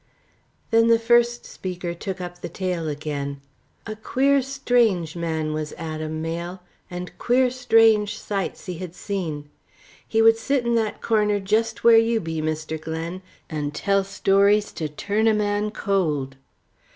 Then the first speaker took up the tale again. "A queer, strange man was Adam Mayle, and queer strange sights he had seen. He would sit in that corner just where you be, Mr. Glen, and tell stories to turn a man cold.